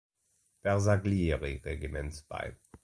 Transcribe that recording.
Bersaglieri-Regiments bei.